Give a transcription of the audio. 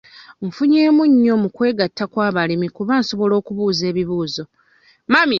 Nfunyemu nnyo mu kwegatta kw'abalimi kuba nsobola okubuuza ebibuuzo.